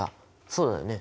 そうだよね？